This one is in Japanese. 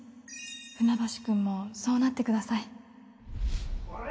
船橋くんもそうなってくださいオラ！